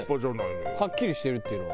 はっきりしてるっていうのは。